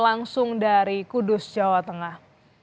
langsung dari kudus jawa tengah